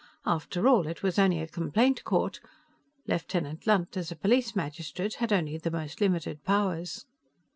After all it was only a complaint court; Lieutenant Lunt, as a police magistrate, had only the most limited powers.